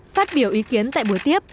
phát biểu ý kiến tại buổi tiếp